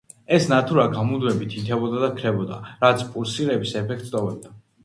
ეს ნათურა გამუდმებით ინთებოდა და ქრებოდა, რაც პულსირების ეფექტს ტოვებდა.